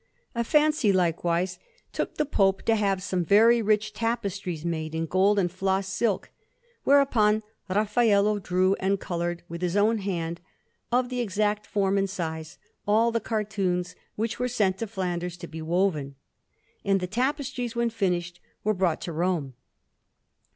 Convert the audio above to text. A fancy likewise took the Pope to have some very rich tapestries made in gold and floss silk; whereupon Raffaello drew and coloured with his own hand, of the exact form and size, all the cartoons, which were sent to Flanders to be woven; and the tapestries, when finished, were brought to Rome.